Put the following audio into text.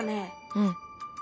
うん。